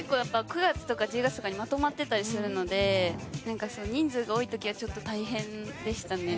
９月とか１０月とかにまとまっていたりするので人数が多い時はちょっと大変でしたね。